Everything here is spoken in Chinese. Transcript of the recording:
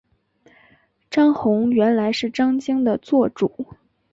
张宏原来是张鲸的座主。